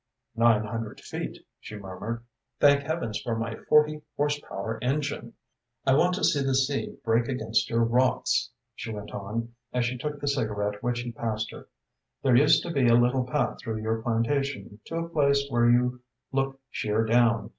"Nine hundred feet," she murmured. "Thank heavens for my forty horsepower engine! I want to see the sea break against your rocks," she went on, as she took the cigarette which he passed her. "There used to be a little path through your plantation to a place where you look sheer down.